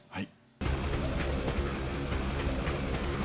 はい。